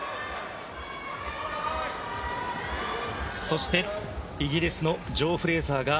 そしてイギリスのジョー・フレーザー。